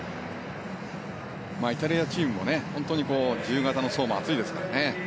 イタリアチームも自由形の層も厚いですからね。